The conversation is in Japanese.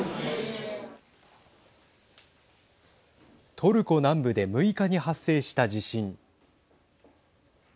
トルコ南部で６日に発生した地震。